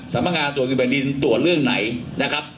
สรรพงานตรวจกิจแบบดินตรวจเรื่องไหนนะครับ